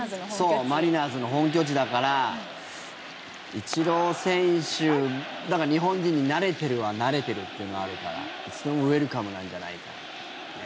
そうマリナーズの本拠地だからイチロー選手だから日本人に慣れてるは慣れてるっていうのがあるからいつでもウェルカムなんじゃないかっていうね。